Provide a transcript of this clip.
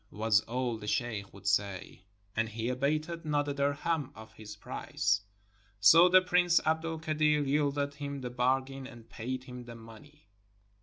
was all the sheikh would say, and he abated not a dirhem of his price; so the Prince Abd el Kadir yielded him the bargain and paid him the money.